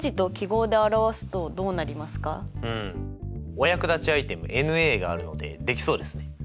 お役立ちアイテムｎがあるのでできそうですね。